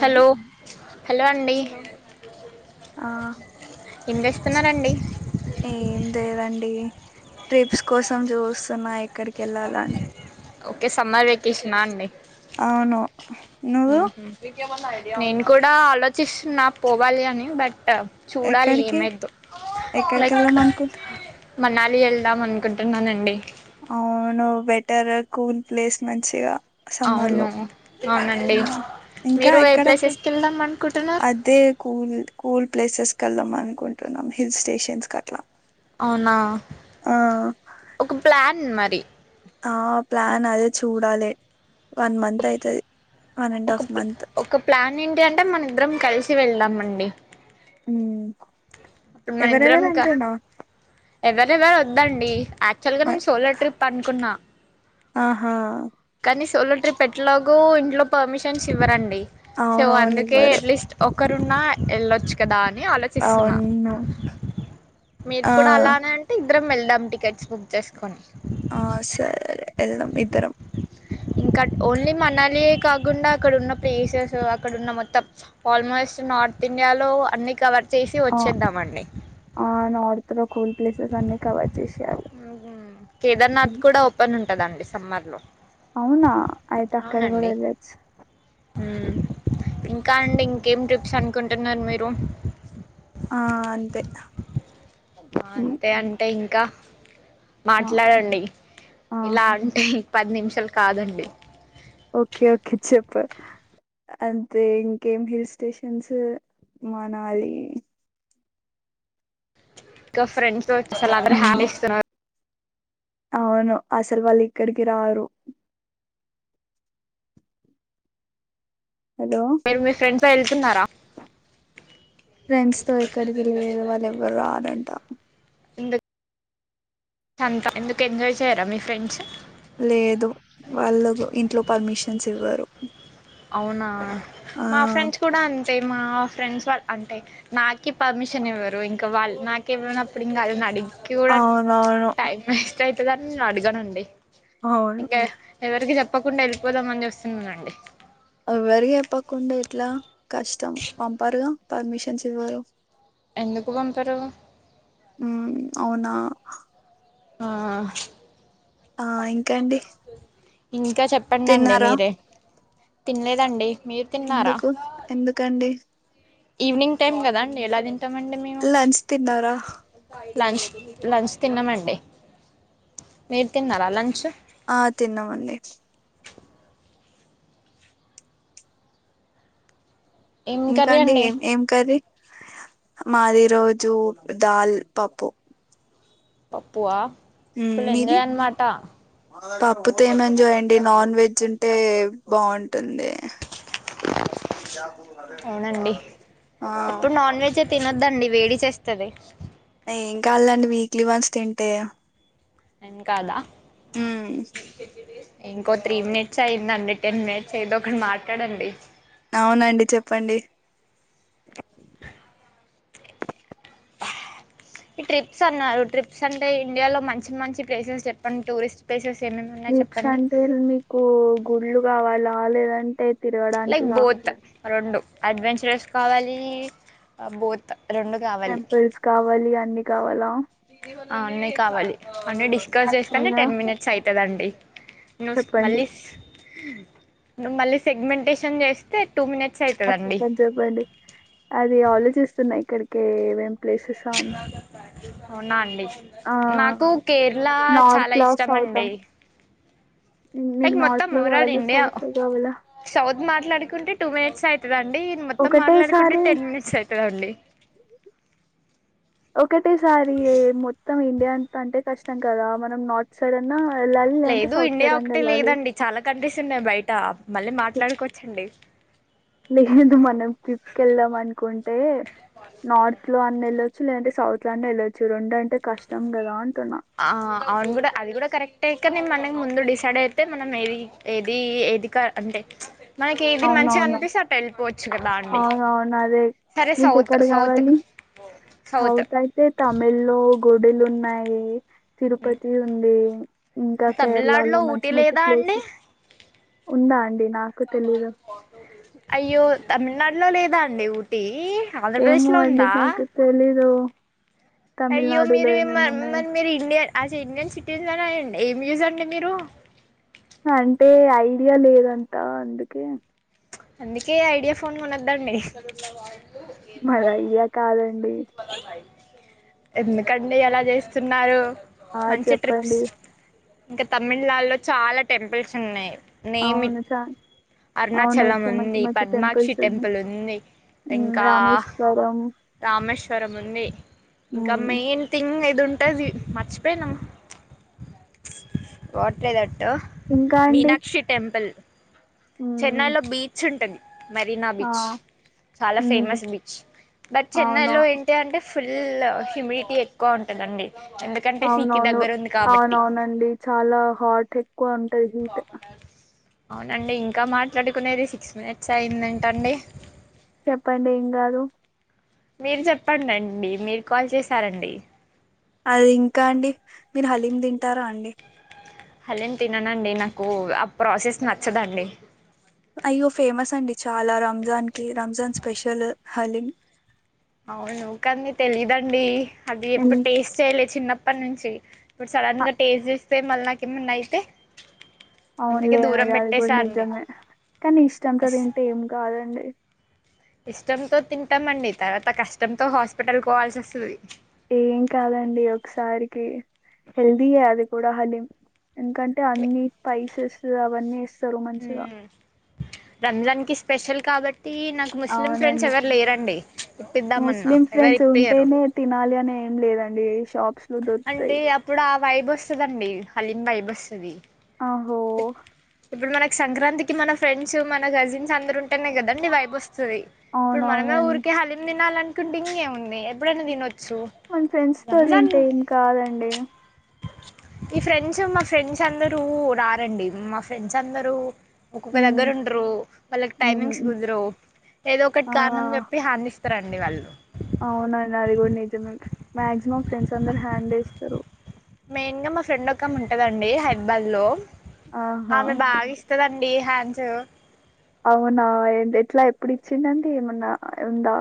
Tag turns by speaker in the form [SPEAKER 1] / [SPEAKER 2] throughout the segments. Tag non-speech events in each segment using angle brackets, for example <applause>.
[SPEAKER 1] Hello hello అండి
[SPEAKER 2] hello ఆ
[SPEAKER 1] ఎం చేస్తున్నారండి
[SPEAKER 2] ఏం లేదండి ట్రిప్స్ కోసం చూస్తున్నా ఎక్కడికి వెళ్ళాలని
[SPEAKER 1] ఓకే సమ్మర్ వెేకేషనా అండి
[SPEAKER 2] అవును నువ్వు
[SPEAKER 1] నేను కూడా ఆలోచిస్తున్నా పోవాలి అని బట్ చూడాలి
[SPEAKER 2] ఎక్కడికి
[SPEAKER 1] ఏమైద్దో
[SPEAKER 2] ఎక్కడికి
[SPEAKER 1] లైక్
[SPEAKER 2] వెళ్దాం అనుకుంటూ
[SPEAKER 1] మనాలి వెళ్దాం అనుకుంటున్నానండి
[SPEAKER 2] అవును బెటర్ కూల్ ప్లేస్ మంచిగా సమ్మర్ లో
[SPEAKER 1] అవును అవునండి
[SPEAKER 2] ఉమ్ ఇంకా
[SPEAKER 1] మీరు ఏ
[SPEAKER 2] ఎక్కడెక్క
[SPEAKER 1] ప్లేసెస్కి వెళ్దాం అనుకుంటున్నారు
[SPEAKER 2] అదే కూల్ కూల్ ప్లేసెస్ వెళ్దాం అనుకుంటున్నాం హిల్స్ స్టేషన్స్ అట్లా
[SPEAKER 1] అవునా
[SPEAKER 2] ఆ
[SPEAKER 1] ఒక ప్లాన్ మరి టి
[SPEAKER 2] ఆ ప్లాన్ అదే చూడాలే వన్ మంత్ అయితది వన్ అండ్
[SPEAKER 1] ఒక
[SPEAKER 2] హాఫ్
[SPEAKER 1] ప్లా
[SPEAKER 2] మంత్
[SPEAKER 1] ఒక్క ప్లాన్ అంటే మన ఇద్దరం కలిసి చ్చి వెళ్ళాంమండి
[SPEAKER 2] ఉమ్
[SPEAKER 1] ఇద్దరం
[SPEAKER 2] ఎవరెవరు
[SPEAKER 1] క
[SPEAKER 2] అంటున్నావ్
[SPEAKER 1] ఎవరెవరు వద్దండి యాక్చువల్గా నేను సోలో ట్రిప్ అనుకున్నా
[SPEAKER 2] ఆహా
[SPEAKER 1] కానీ సోలో ట్రిప్ ఎలాగో ఇంట్లో పర్మిషన్స్ ఇవ్వరండి సో
[SPEAKER 2] అవునవును
[SPEAKER 1] అందుకే
[SPEAKER 2] ఇవ్వరు
[SPEAKER 1] అట్లీస్ట్ ఒక ఒక్కరున్న వెళ్ళొచ్చు కదా ఆలోచిస్తున్నా
[SPEAKER 2] అవును
[SPEAKER 1] మీరు
[SPEAKER 2] అ
[SPEAKER 1] కూడా అలానే అంటే మనిద్దరం వెళ్దాం టికెట్స్ బుక్ చేసుకొని
[SPEAKER 2] ఆ సరే వెళ్దాం ఇ ద్దరం
[SPEAKER 1] ఇంకా ఓన్లీ మనాలియే కాకుండా అక్కడున్న ప్లేసెస్ అక్కడున్న మొత్తం ఆల్మోస్ట్ నార్త్ ఇండియాలో అన్నీ కవర్ చేసి
[SPEAKER 2] ఆ
[SPEAKER 1] వచ్చేద్దామండి
[SPEAKER 2] ఆ నార్త్ లో కూల్ ప్లేసెస్ అన్ని కవర్ చేసేయాలి
[SPEAKER 1] ఊహుమ్ కేదర్నాథ్ కూడా ఓపెన్ ఉంటు టదండి సమ్మర్లో
[SPEAKER 2] అవునా అయితే అక్కడ కూడా
[SPEAKER 1] అవునండి
[SPEAKER 2] వెళ్ళొచ్చు
[SPEAKER 1] ఉమ్ ఇంకా అండి ఇంకేం ట్రిప్స్ అ కుంటున్నారు మీరు
[SPEAKER 2] ఆ అంతే
[SPEAKER 1] అంతే అంటే ఇంకా
[SPEAKER 2] ఆ
[SPEAKER 1] మాట్లాడండి
[SPEAKER 2] ఆ
[SPEAKER 1] ఇలా అంటే పది నిమిషాలు కాదండి
[SPEAKER 2] ఓకే ఓకే చెప్పు అంతే ఇంకేం హిల్ స్టేషన్స్ మనాలి
[SPEAKER 1] క ఫ్రెండ్స్ తో చల <unintelligible>
[SPEAKER 2] ఉమ్, అవును అసలు వాళ్ళు ఇక్కడికి రారు హలో
[SPEAKER 1] మీరు మీ ఫ్రెండ్స్ తో వెళ్తున్నారా
[SPEAKER 2] ఫ్రెండ్స్ తో ఎక్కడికి లేదు వాళ్ళు ఎవ్వరు రారంట
[SPEAKER 1] ఇందు తంతా ఎందుకు ఎంజాయ్ చెయ్యారా మీ ఫ్రెండ్స్
[SPEAKER 2] లేదు వాళ్ళకు ఇంట్లో పర్మిషన్స్ ఇవ్వరు
[SPEAKER 1] అవునా
[SPEAKER 2] ఆ
[SPEAKER 1] మా ఫ్రెండ్స్ కూడా అన్ తే మా ఫ్రెండ్స్ వాళ్ళు అంటే నాకి పర్మిషన్ ఇవ్వరు ఇంకా వాళ్ళు నాకివ్వనప్పుడు ఇంక వాళ్ళనడిగి
[SPEAKER 2] అవునవును
[SPEAKER 1] కైతదన్ అడగనండి
[SPEAKER 2] అవును
[SPEAKER 1] ఇంక ఎవరుకి చెప్ ప్పకుండా వెళ్ళిపోదామని చూస్తున్నానండి
[SPEAKER 2] ఎవ్వరికి చెప్పకుండా ఇట్లా కష్టం పంపరుగా పర్మిషన్స్ ఇవ్వరు
[SPEAKER 1] ఎందుకు పంపరు
[SPEAKER 2] ఉమ్ అవునా
[SPEAKER 1] ఆ
[SPEAKER 2] ఆ ఇంకండి
[SPEAKER 1] ఇంకా చెప్పండండి
[SPEAKER 2] తిన్నారా
[SPEAKER 1] మీరే తినలేదండి మీరు
[SPEAKER 2] ఎందుకు ఎందుకండి
[SPEAKER 1] ఈవ్నింగ్ టైమ్ కదండి ఎలా తిన్
[SPEAKER 2] లంచ్ తిన్నారా
[SPEAKER 1] లంచ్ లంచ్ తిన్నామండి మీరు తిన్నారా లంచ్
[SPEAKER 2] ఆ తిన్నామండి
[SPEAKER 1] ఏం
[SPEAKER 2] ఇంకా
[SPEAKER 1] కర్రీ
[SPEAKER 2] అండి ఏం ఏం కర్రి మాది ఈ రోజు దాల్ పప్పు
[SPEAKER 1] పప్పు ఆ
[SPEAKER 2] ఉమ్మ్ మీది పప్పుతో ఏం ఎంజాయండి నాన్ వెజ్జున్ టే బావుంటుంది
[SPEAKER 1] అవునండి
[SPEAKER 2] ఆ
[SPEAKER 1] ఎప్పుడు నాన్ వెజే తినొద్దండి వేడి చేస్తది
[SPEAKER 2] ఏం కాదులేండి వీక్లీ వన్స్ తింటే
[SPEAKER 1] ఎన్ కాదా
[SPEAKER 2] ఉమ్
[SPEAKER 1] ఇంకో త్రీ మినిట్స్ అయిందండి టెన్ మినిట్స్ ఎదొఒకటి మాట్లాడండి
[SPEAKER 2] అవునండి చెప్పండి
[SPEAKER 1] ఈ ట్రిప్స్ అన్నారు ట్రిప్స్ అంటే ఇండియాలో మంచి మంచి ప్లేసెస్ చెప్పండి టూరిస్ట్ ప్లేసెస్ ఏమేమి ఉన్నాయి
[SPEAKER 2] హిప్స్
[SPEAKER 1] చెప్పండి
[SPEAKER 2] అంటే మీకు గుళ్లు కావాలా రా లేద అంటే
[SPEAKER 1] లైక్ బోత్ రెండు అడ్వెంచరస్ కావాలి బోత్ రెండు కావాలి
[SPEAKER 2] టెంపుల్స్ కావాలి అ అన్ని కావాలా
[SPEAKER 1] ఆ అన్ని కావాలి అన్న డిస్కస్
[SPEAKER 2] యాక్చువల్
[SPEAKER 1] చేస్తానే
[SPEAKER 2] గా
[SPEAKER 1] టెన్ మినిట్స్ అవుతదిండి నుస్
[SPEAKER 2] చెప్పండి
[SPEAKER 1] మళ్ళీ నువు మళ్ళీ సెగ్మెంటేషన్ చేస్తే టూ మినిట్స్ అయితదండి
[SPEAKER 2] చెప్పండి చెప్పండి అది ఆలోచిస్తున్నాయి ఇక్కడికె వేమ్
[SPEAKER 1] అవునా అండి
[SPEAKER 2] ఆ
[SPEAKER 1] నాకు కేరళ
[SPEAKER 2] నార్త్
[SPEAKER 1] చాలా
[SPEAKER 2] లో
[SPEAKER 1] ఇష్టం
[SPEAKER 2] సౌత్
[SPEAKER 1] అండి లైక్
[SPEAKER 2] మీకు
[SPEAKER 1] మొత్తం
[SPEAKER 2] నార్త్ లో
[SPEAKER 1] ఓవరాల్
[SPEAKER 2] కావాలా
[SPEAKER 1] ఇండియా
[SPEAKER 2] సౌత్ లో కావాలా
[SPEAKER 1] సౌత్ మాట్లాడుకుంటే టూ మినిట్స్ అ రండి ఈ మొత్తం మాట్లాడుకుంటే
[SPEAKER 2] ఒకటేసారి
[SPEAKER 1] టెన్ మినిట్స్ అయితదండి
[SPEAKER 2] ఒకటేసారి మొత్తం ఇ అంత అంటే కష్టం కదా మనం నార్త్ సైడ్ అన్న
[SPEAKER 1] లేదు ఇండియా ఒకటే లేదండి చాలా కంట్రీస్ ఉన్నాయి బయట మళ్ళీ మాట్లాడుకోవచ్చండి
[SPEAKER 2] లేదు మనం ట్రిప్కి వెళ్దాం అనుకుంటే నార్త్ లో అన్న వెళ్ళొచ్చు లేదంటే సౌత్ లో అనే వెళ్ళొచ్చు రెండు అంటే కష్టం కదా అంటున్నా
[SPEAKER 1] ఆ అను కూడా అది కూడా కరెక్టే మ మ ముందు డిసైడ్ అయితే మనం ఏది ఏది ఏది కా అంటే మనకి ఏది మంచిగా అనిపిస్తే అటు వెళ్ళిపోవచ్చు కదా అండి
[SPEAKER 2] అవున అవును అదే
[SPEAKER 1] సరే
[SPEAKER 2] నీకు
[SPEAKER 1] సౌత్
[SPEAKER 2] ఎక్కడ
[SPEAKER 1] సౌత్
[SPEAKER 2] కావాలి సౌత్ అంటే తమిళ్లో గుడిలు ఉన్నాయి తిరుపతి ఉంది ఇంకా
[SPEAKER 1] తమిళనాడులో
[SPEAKER 2] కేరళలో మంచి
[SPEAKER 1] ఊటీ
[SPEAKER 2] మంచి
[SPEAKER 1] లేదా అండి
[SPEAKER 2] ప్లేసెస్ ఉందా అండి నాకు తెలీదు
[SPEAKER 1] అయ్యో తమిళనాడులో లేదా లె ఊటి
[SPEAKER 2] ఏమో అండి నాకు తెలిదు.
[SPEAKER 1] అయ్యో మీరు మ
[SPEAKER 2] ఉన్నాయో
[SPEAKER 1] మరి మీరు ఇండియ అసి ఇండియన్ సిటీజన్ అయిండి ఏం జెస రండి మీరు
[SPEAKER 2] అంటే ఐడియా లేదంట అందుకే
[SPEAKER 1] చ్ అందుకే ఐడియా ఫోన్ కొనద్దండి.
[SPEAKER 2] మాది ఐయ్యా కాదండి.
[SPEAKER 1] ఎందుకండి అలా జేస్తున్నారు.
[SPEAKER 2] ఆ చెప్పండి.
[SPEAKER 1] ఇంక తమ్మిళ్ళ్లాలో చాలా టెంపుల్స్ ఉన్నయ్. నేమి
[SPEAKER 2] అవును చ
[SPEAKER 1] అర్ణ
[SPEAKER 2] అవును
[SPEAKER 1] చాల్ల
[SPEAKER 2] వచ్చే మంచి
[SPEAKER 1] మంది
[SPEAKER 2] మంచి
[SPEAKER 1] పద్మాక్షి
[SPEAKER 2] టెంపుల్స్ ఉన్నాయి
[SPEAKER 1] టెంపులుంది.
[SPEAKER 2] ఉమ్,
[SPEAKER 1] ఇంకా
[SPEAKER 2] రామేశ్వరం
[SPEAKER 1] రామేశ్ తరముంది. ఇంకా
[SPEAKER 2] ఉమ్,
[SPEAKER 1] మెయిన్ థింగ్ దుంటది మర్చిపెయ్ నం, వాట్లేద టో
[SPEAKER 2] ఇంకా అండి
[SPEAKER 1] మీనాక్షి టెంపుల్
[SPEAKER 2] ఉమ్,
[SPEAKER 1] చెన్నైలో బీచ్ ఉంటుంది. మరీనా
[SPEAKER 2] ఆ
[SPEAKER 1] బీచ్ చాలా
[SPEAKER 2] ఉమ్,
[SPEAKER 1] ఫేమస్ బిచ్, బట్ చెన్నై
[SPEAKER 2] అవును
[SPEAKER 1] లో ఏంటి అంటే ఫుల్ హ్యూమియిటీ ఎక్కువ ఉంటుంఅండి.
[SPEAKER 2] అవునవును అవునవునండి చాలా హాట్ ఎక్కువ ఉంటది హీట్.
[SPEAKER 1] అవునండి ఇం కా మాట్లాడుకునేది సిక్స్ మినిట్స్ అయ్యిందంట అండి.
[SPEAKER 2] చెప్పండి ఏం గాదు.
[SPEAKER 1] మీరు చెప్పండండి మీరు కాల్ చేసారండి.
[SPEAKER 2] అది ఇంకా అండి మీరు హలీం తింటారా అండి.
[SPEAKER 1] హలీం తిననండి నాకు ఆ ప్రాసెస్ నచ్చదండి.
[SPEAKER 2] అయ్యో ఫేమస్ అండి చాలా రంమ్జాన్ కి రంమ్జాన్ స్పెషల్ హలీం.
[SPEAKER 1] అవును కానీ తెలీదండి. అది
[SPEAKER 2] ఎన్-
[SPEAKER 1] ఎప్పుడు టేస్ట్ చేయ్యలే చిన్న అప్పనుంచి ఇప్పుడు సడన్ గా టేస్ట్ జేస్ స్సే మళ్ళ్ నాకేమన్నైతే
[SPEAKER 2] అవున్లే అది అది కూడా నిజమే, కానీ ఇష్టంతో
[SPEAKER 1] అస్
[SPEAKER 2] తింటే ఏం కాదండి.
[SPEAKER 1] ఇష్టంతో తింటాంమండి తర్వాత కష్టంతో హాస్పిటల్ కోవాల్సి వస్సది.
[SPEAKER 2] ఏం కాదండి ఒకసారికి హెల్దీయే అది కూడా హలిం. ఎంకంటే అన్ని స్పైసెస్. సు అవన్నెస్ సరు మంచిగా
[SPEAKER 1] రంజన్ కి స్పెషల్ కాబట్ టి నాకు ముస్లిం ఫ్రెండ్స్
[SPEAKER 2] అవునండి
[SPEAKER 1] ఎవరు లేరండి ఇప్పిద్దామన్నా
[SPEAKER 2] ముస్లిం
[SPEAKER 1] ఎవరు
[SPEAKER 2] ఫ్రెండ్స్
[SPEAKER 1] ఇప్పీయరు
[SPEAKER 2] ఉంటేనే తినాలి అని లేదండి షాప్స్ లో దొరుకుతాయి
[SPEAKER 1] అంటే అప్పుడు ఆ వైబ్ వస్తదండి హలీమ్ వైబ్ వస్తది
[SPEAKER 2] ఆహో
[SPEAKER 1] ఇప్పుడు మన సంక్రాంతికి మన ఫ్రెండ్స్ మన కజన్స్ అందరు ఉంటేనే కదండి వైబొస్ సుది వస్తుంది ఇప్పుడు మనమే
[SPEAKER 2] అవునవునండి
[SPEAKER 1] ఊరికే హలిం తినాలం డింగే ఉంది ఎప్పుడైనా తినో
[SPEAKER 2] మన ఫ్రెండ్స్ తో తింటే ఏం కావాలండి
[SPEAKER 1] ఈ ఫ్రెండ్స్ మా ఫ్రెండ్స్ అందరూ రా రండి మా ఫ్రెండ్స్ అందరూ ఒక్కొక్క
[SPEAKER 2] ఉమ్
[SPEAKER 1] దగ్గర ఉండరు వాళ్ళకి
[SPEAKER 2] ఉమ్
[SPEAKER 1] టైమింగ్స్
[SPEAKER 2] ఉమ్.
[SPEAKER 1] కుదరవ్ ఏదో ఒకటి
[SPEAKER 2] ఆ
[SPEAKER 1] కారణం చెప్పి హానిస్ త రండి వాళ్ళు
[SPEAKER 2] అవునండి అది కూడా నిజమే మాక్సిమం ఫ్రెండ్స్ అందరు హ్యాండ్ ఏస్తారు
[SPEAKER 1] మెయిన్ గా మా ఫ్రెండ్ ఒకామె ఉంటదండి హైదరాబాద్ లో
[SPEAKER 2] ఆహా
[SPEAKER 1] ఆమె బాగా ఇస్తదండి హాండ్స్ ఏవో
[SPEAKER 2] అవునా ఏంది ఎట్లా ఎప్పుడు ఇచ్చిదండి ఏమన్నా ఉందా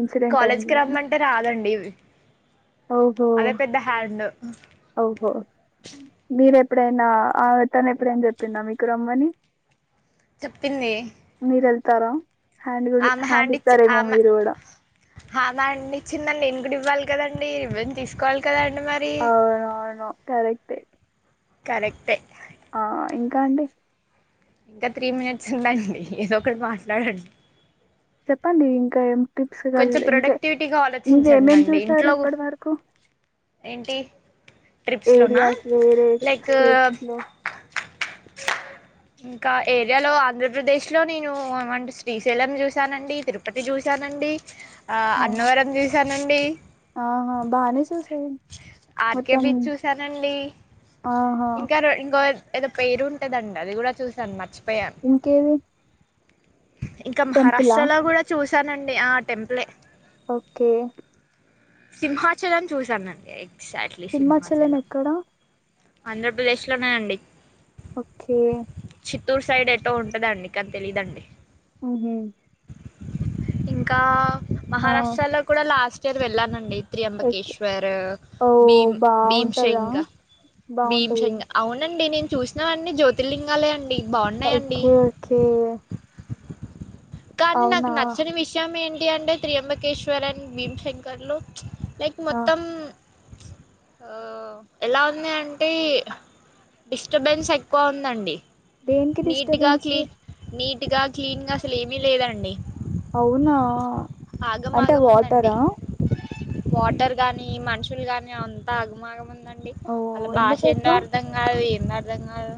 [SPEAKER 2] ఇన్సిడెంట్
[SPEAKER 1] కాలేజ్కి
[SPEAKER 2] అయింది
[SPEAKER 1] రమ్మంటే రాదండి ఇవి
[SPEAKER 2] ఓహో!
[SPEAKER 1] అదే పెద్ద హ్యాండ్
[SPEAKER 2] ఓహో మీరూ ఎప్పుడైనా ఆ తను ఎప్పుడైనా చెప్పిందా మీకు రమ్మని
[SPEAKER 1] చెప్పింది
[SPEAKER 2] తర
[SPEAKER 1] ఆమె హ్యాండ్ ఇచ్ ఆమె ఆమె హ్యాండ్ ఇచ్చిందని నేను కూడా ఇవ్వాలి కదండి రివెంజ్ తీసుకోవాలి కదన్
[SPEAKER 2] అవును అవును కరెక్టే
[SPEAKER 1] కరెక్టే
[SPEAKER 2] ఆ ఇంకా అండి
[SPEAKER 1] ఇంకా త్రీ మినిట్స్ ఉందండి ఏదో ఒకటి మాట్లాడండి
[SPEAKER 2] చెప్పండి ఇంకా ఏం టిప్స్ గల్
[SPEAKER 1] కొంచెం
[SPEAKER 2] ఇంకే
[SPEAKER 1] ప్రొడక్టివిటీగా ఆలోచించండి
[SPEAKER 2] మీరేమేం
[SPEAKER 1] అండి
[SPEAKER 2] చూసారు
[SPEAKER 1] ఇంట్లో
[SPEAKER 2] ఇప్పటి వరకు?
[SPEAKER 1] ఏంటి ట్రిప్స్లోనా
[SPEAKER 2] ఏరియాస్ వేరే
[SPEAKER 1] లైక్
[SPEAKER 2] స్టేట్స్లో
[SPEAKER 1] ఇంకా ఏరియాలో ఆంధ్రప్రదేశ్లో నేను ఏమంటు శ్రీశైలం చూసానండి తిరుపతి చూసానండి. ఆ అన్నవరం చూసానండి.
[SPEAKER 2] ఆహా! బానే చూసారు.
[SPEAKER 1] ఆర్కే
[SPEAKER 2] మొత్తం
[SPEAKER 1] బీచ్ చూసానండి
[SPEAKER 2] ఆహా!
[SPEAKER 1] ఇంకా రో ఇం ఇంకోర్ ఏదో పేరుటదం అది కూడా చూసాను మర్చి
[SPEAKER 2] ఇంకేవి
[SPEAKER 1] ఇంకా
[SPEAKER 2] టెంపులా?
[SPEAKER 1] మహారాష్ట్రలో గుడా చూస్ చూసానండి ఆ టెంపులె
[SPEAKER 2] ఓకే.
[SPEAKER 1] సింహాచలం చూసానండి. ఏ
[SPEAKER 2] సింహచలం ఎక్కడ
[SPEAKER 1] ఆంధ్రప్రదేశ్లోనే అండి
[SPEAKER 2] ఓకే
[SPEAKER 1] చిత్తూరు సైడ్ ఎటో ఉంటదండి కాన్ తెలీదండి.
[SPEAKER 2] మ్ హ్
[SPEAKER 1] ఇంకా
[SPEAKER 2] ఆ!
[SPEAKER 1] మహారాష్ట్రాలో కూడా లాస్ట్ <unintelligible> వెళ్ళానం అండి
[SPEAKER 2] ఎక్
[SPEAKER 1] త్రియంబకేశ్వర్
[SPEAKER 2] ఓ
[SPEAKER 1] భీం
[SPEAKER 2] బాగుంటదా
[SPEAKER 1] భీమ్షెంగ్
[SPEAKER 2] బాగుంటది
[SPEAKER 1] భీమ్షెంగ్ అవునండి నేన్ చూసినవన్నీ జ్యోతిర్లింగాలే అం
[SPEAKER 2] ఓకే ఓకే
[SPEAKER 1] కానీ
[SPEAKER 2] అవునా
[SPEAKER 1] నాకు నచ్చని వేషమేన్ టి అంటే త్రియంబకేశ్వర్ అడ్ భీమ్శంకర్లో లైక్
[SPEAKER 2] ఆ
[SPEAKER 1] మొత్తం. ఆ ఎలా ఉంది అంటే డిస్టర్బెన్స్ ఎక్కువ ఉందండి.
[SPEAKER 2] దేనికి డిస్టర్బెన్స్
[SPEAKER 1] గా క్లీన్గా అసల్ మీ లేదండి.
[SPEAKER 2] అవునా
[SPEAKER 1] ఆగం
[SPEAKER 2] అంటే
[SPEAKER 1] ఆగం ఉందండి
[SPEAKER 2] వాటరా
[SPEAKER 1] వాటర్ గాని మనుషు లు గాని అంత ఆగం ఆగం ఉందం డి
[SPEAKER 2] ఓ
[SPEAKER 1] ఆళ్ల భాష
[SPEAKER 2] ఎందుకు
[SPEAKER 1] ఏందో
[SPEAKER 2] అట్లా
[SPEAKER 1] అర్థం కాదు ఏం అర్ధం కాదు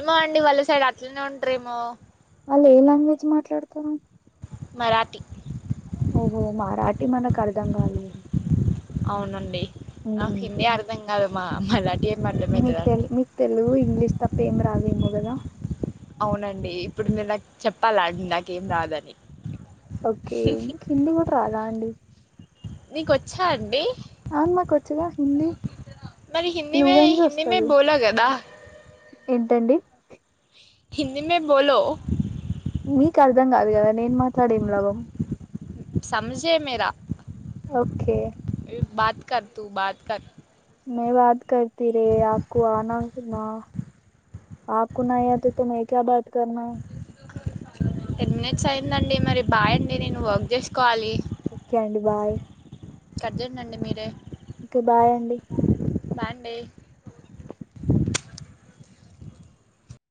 [SPEAKER 1] ఏమో అండి వాళ్ళ సైడ్ అట్లనే ఉంటరేమో
[SPEAKER 2] వాళ్ళు ఏ లాంగ్వేజ్ మాట్లాడ్తరు.
[SPEAKER 1] మరాఠీ
[SPEAKER 2] ఓహో మరాఠీ మనకు అర్ధం కాదులే
[SPEAKER 1] అవునండి నాకు హిందీ అర్దం మరీ మా అమ్మలాగే
[SPEAKER 2] మీకు తెలు మీకు తెలుగు ఇంగ్లీష్ త ఏమి రాదేమో కదా
[SPEAKER 1] అవునండి ఇప్పుడు మీరు నాకు చెప్పాలా అండి నాకేం రాదని
[SPEAKER 2] ఓకే హింది కూడా రాదా అండి
[SPEAKER 1] నీకొచ్చా అండి
[SPEAKER 2] హా నాకొచ్చు కద హిందీ
[SPEAKER 1] మరి హిందీ మే
[SPEAKER 2] ఫ్లూయెంట్ గా
[SPEAKER 1] హిందీ మే
[SPEAKER 2] వస్తది
[SPEAKER 1] బోలా కదా
[SPEAKER 2] ఏంటండి
[SPEAKER 1] హిందీ మే బోలో
[SPEAKER 2] మీకు అర్ధం కాదు కదా నేను మాట్లాడేం లాభం
[SPEAKER 1] సంజే మేరా
[SPEAKER 2] ఓకే
[SPEAKER 1] బత్ కర్ తు బాత్ కర్
[SPEAKER 2] మై బాత్ కర్ తురే ఆకువ నై మా ఆకున్నా అతేతు మే క్యా బాత్ కార్న హే
[SPEAKER 1] టెన్ మినిట్స్ అయిందండి మరి బాయ్ అండి నేను వర్క్ చేసుకోవాలి
[SPEAKER 2] ఓకే అండి బాయ్
[SPEAKER 1] కట్ చేయండండి మీరే
[SPEAKER 2] ఓకే బాయ్ అండి
[SPEAKER 1] బాయ్ అండి